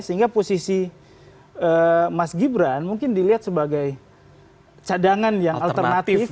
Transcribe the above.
sehingga posisi mas gibran mungkin dilihat sebagai cadangan yang alternatif